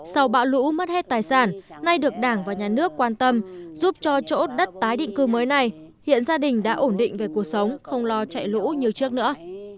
sau bão lũ mất hết tài sản nay được đảng và nhà nước quan tâm giúp cho chỗ đất tái định cư mới này hiện gia đình đã ổn định về cuộc sống không lo chạy lũ như trước nữa